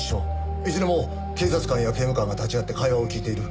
いずれも警察官や刑務官が立ち会って会話を聞いている。